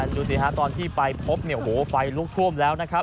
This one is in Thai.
ดูสิฮะตอนที่ไปพบเนี่ยโอ้โหไฟลุกท่วมแล้วนะครับ